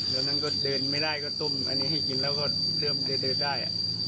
ตอนนั้นก็เดินไม่ได้ก็ต้มอันนี้ให้กินแล้วก็เริ่มเดินได้